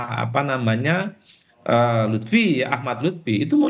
kita bisa memperbaiki kemampuan kita